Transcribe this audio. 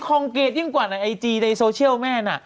คองเกดยิ่งกว่าในไอจีในโซเชียลแม่น่ะ